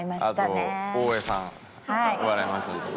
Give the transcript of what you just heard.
あと大江さん笑いましたけど。